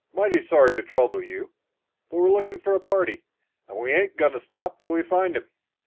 "Mighty sorry to trouble you, but we're looking for a party and we ain't goin' to stop till we find him.